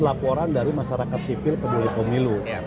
laporan dari masyarakat sipil peduli pemilu